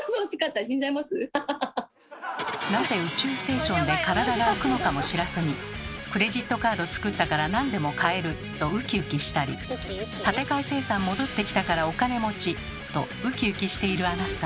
なぜ宇宙ステーションで体が浮くのかも知らずに「クレジットカード作ったから何でも買える」とウキウキしたり「立て替え精算戻ってきたからお金持ち！」とウキウキしているあなた。